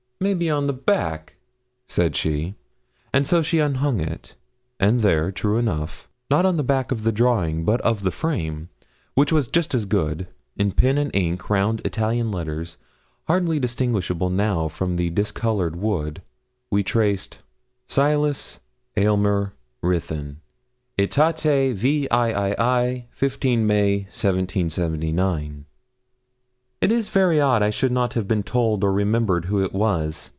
'Maybe on the back?' said she. And so she unhung it, and there, true enough, not on the back of the drawing, but of the frame, which was just as good, in pen and ink round Italian letters, hardly distinguishable now from the discoloured wood, we traced 'Silas Aylmer Ruthyn, AEtate viii. 15 May, 1779.' 'It is very odd I should not have been told or remembered who it was.